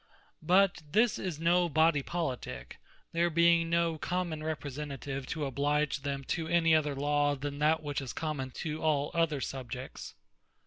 But this is no Body Politique, there being no Common Representative to oblige them to any other Law, than that which is common to all other subjects.